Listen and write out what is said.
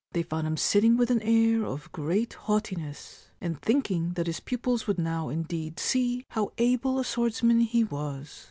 They found him sitting with an air of great haughtiness, and thinking that his pupils would now indeed see how able a swordsman he was.